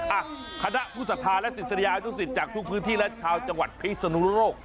อ่ะคณะผู้สัทธาและศิษยานุสิตจากทุกพื้นที่และชาวจังหวัดพิศนุโลก